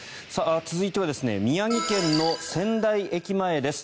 続いては宮城県の仙台駅前です。